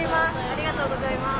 ありがとうございます。